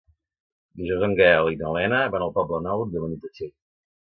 Dijous en Gaël i na Lena van al Poble Nou de Benitatxell.